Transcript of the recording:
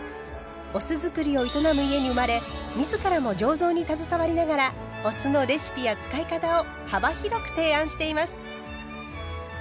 お酢造りを営む家に生まれ自らも醸造に携わりながらお酢のレシピや使い方を幅広く提案しています。